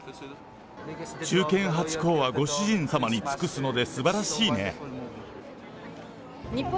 忠犬ハチ公はご主人様に尽くすのですばらしいね。